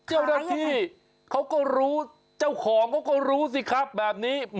เจ้าหน้าที่เขาก็รู้เจ้าของเขาก็รู้สิครับแบบนี้